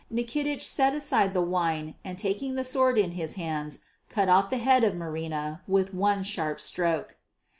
Nikitich set aside the wine and taking the sword in his hands cut off the head of Marina with one sharp stroke.